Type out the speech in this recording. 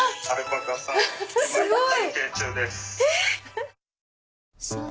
すごい！